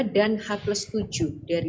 dan h plus tujuh dari